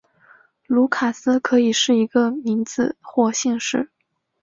卢卡斯可以是一个名字或姓氏。